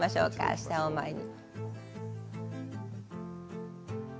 舌を前に。